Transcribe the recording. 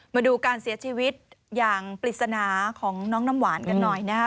มาดูการเสียชีวิตอย่างปริศนาของน้องน้ำหวานกันหน่อยนะครับ